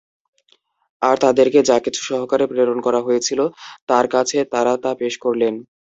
আর তাদেরকে যা কিছু সহকারে প্রেরণ করা হয়েছিল তার কাছে তাঁরা তা পেশ করলেন।